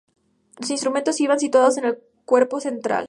Los instrumentos iban situados en el cuerpo central.